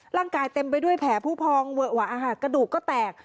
ร่างกายเต็มไปด้วยแผลผู้พองเวอะกระดูกก็แตก